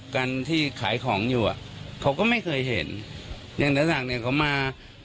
กันที่ขายของอยู่อ่ะเขาก็ไม่เคยเห็นอย่างหนักเนี่ยเขามา